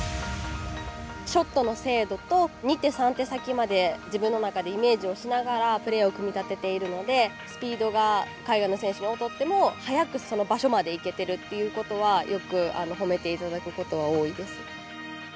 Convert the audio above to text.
ショットの精度と二手、三手先まで自分の中でイメージをしながらプレーを組み立てているのでスピードが海外の選手に劣っても早くその場所まで行けてるっていうことはよく褒めていただくことは多いです。